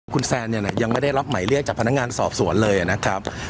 คุณแซนเนี่ยยังไม่ได้รับหมายเรียกจากพนักงานสอบสวนเลยนะครับ